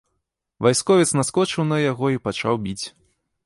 Вайсковец наскочыў на яго і пачаў біць.